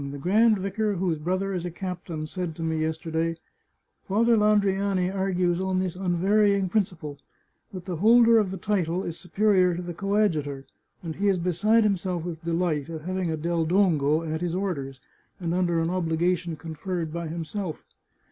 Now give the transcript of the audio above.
The grand vicar whose brother is a captain said to me, yesterday, ' Father Landriani argues on this unvarying principle, that the holder of the title is superior to the coadjutor, and he is beside himself with delight at having a Del Dongo at his orders, and under an obligation conferred by himself.